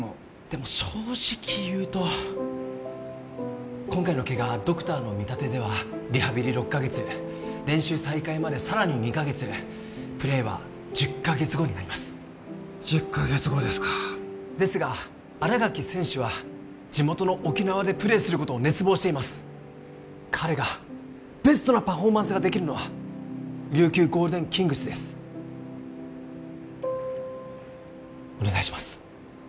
でも正直言うと今回のケガドクターの見立てではリハビリ６カ月練習再開までさらに２カ月プレーは１０カ月後になります１０カ月後ですかですが新垣選手は地元の沖縄でプレーすることを熱望しています彼がベストなパフォーマンスができるのは琉球ゴールデンキングスですお願いします